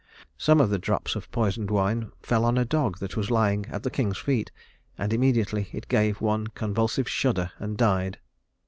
Some of the drops of poisoned wine fell on a dog that was lying at the king's feet, and immediately it gave one convulsive shudder and died.